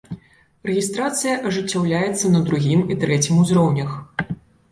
Рэгістрацыя ажыццяўляецца на другім і трэцім узроўнях.